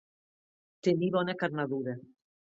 Tenir bona carnadura.